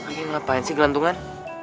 ini ngapain sih gelantungan